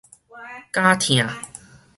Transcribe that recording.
絞疼